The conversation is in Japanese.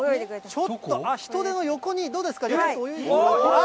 ちょっと、あっ、ヒトデの横に、どうですか？